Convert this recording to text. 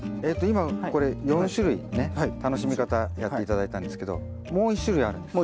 今これ４種類ね楽しみ方やって頂いたんですけどもう一種類あるんです。